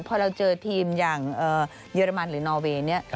พอเราเจอทีมอย่างเยอรมันหรือนอเวย์เนี่ย